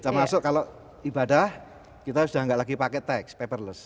termasuk kalau ibadah kita sudah tidak lagi pakai teks paperless